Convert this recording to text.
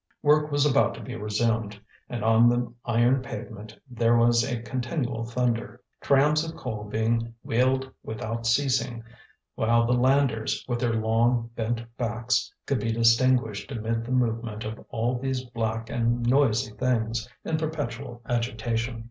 Work was about to be resumed, and on the iron pavement there was a continual thunder, trams of coal being wheeled without ceasing, while the landers, with their long, bent backs, could be distinguished amid the movement of all these black and noisy things, in perpetual agitation.